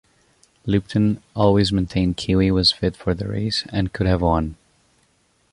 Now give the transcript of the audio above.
Lupton always maintained Kiwi was fit for the race and could have won.